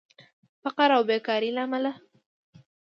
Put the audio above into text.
فقر او بیکارې له امله